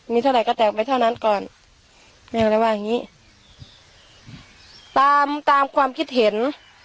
มีเท่าไหร่ก็แต่งไปเท่านั้นก่อน๑๘ตามความคิดเห็น